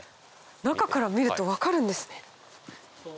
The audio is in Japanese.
中から見ると分かるんですね。